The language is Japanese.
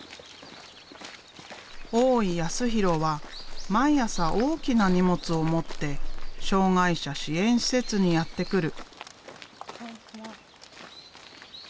大井康弘は毎朝大きな荷物を持って障害者支援施設にやって来る。